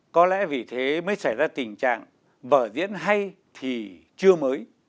có lẽ vì thế mới xảy ra tình trạng vở diễn hay thì chưa mới